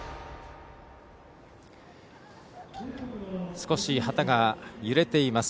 少し旗が揺れています。